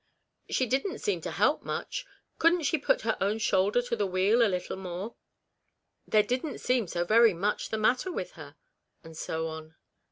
" She didn't seem to help much ; couldn't she put her own shoulder to the wheel a little more ? There didn't seem so very much the matter with her," and so on.